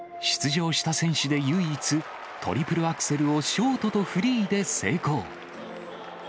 出場した選手で唯一、トリプルアクセルをショートとフリーで成功。